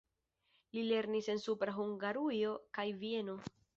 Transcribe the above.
Li lernis en Supra Hungarujo kaj Vieno.